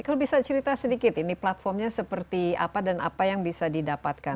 kalau bisa cerita sedikit ini platformnya seperti apa dan apa yang bisa didapatkan